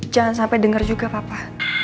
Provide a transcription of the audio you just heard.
jangan sampai dengar juga papa